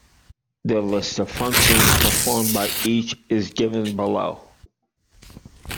The list of functions performed by each is given below.